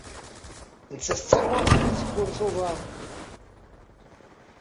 Nettat d talɣuɣt deg tkurt n uḍar.